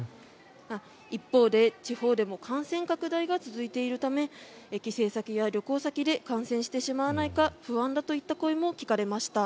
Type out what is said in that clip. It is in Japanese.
一方で地方でも感染拡大が続いているため帰省先や旅行先で感染してしまわないか不安だといった声も聞かれました。